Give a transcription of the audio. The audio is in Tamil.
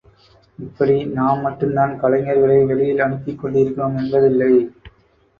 இப்படி நாம் மட்டும்தான் கலைஞர்களை வெளியில் அனுப்பிக் கொண்டிருக்கிறோம் என்பதில்லை.